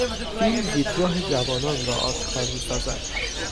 فیلم دیدگاه جوانان را آشکار میسازد.